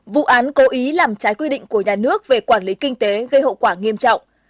vụ án cố ý làm trái quy định của nhà nước về quản lý kinh tế gây hậu quả nghiêm trọng